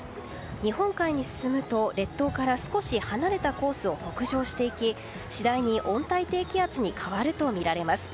日本海に進むと列島から少し離れたコースを北上していき次第に温帯低気圧に変わるとみられます。